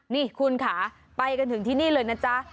นี่คุณค่ะไปกันถึงที่นี่เลยนะจ๊ะ